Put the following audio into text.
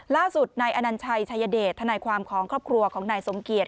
ล่าสุดนายอนัญชัยชายเดชทนายความของครอบครัวของนายสมเกียจ